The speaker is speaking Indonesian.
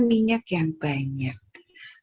minyak yang banyak kalau daging kambingnya sendiri